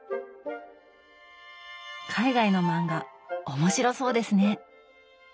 海外の漫画面白そうですね。